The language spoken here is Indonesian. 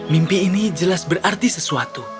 mimpi ini jelas berarti sesuatu